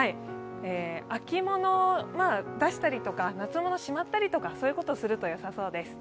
秋物を出したりとか、夏物をしまったりとかするとよさそうです。